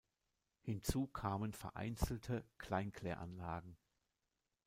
Hinzu kamen vereinzelte Kleinkläranlagen.